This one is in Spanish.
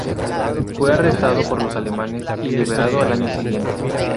Fue arrestado por los alemanes y liberado al año siguiente.